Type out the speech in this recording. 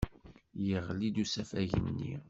Yeɣli-d usafag-nni?